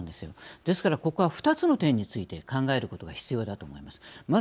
ですから、ここは２つの点について考えることが必要だと思います。